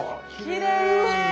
きれい！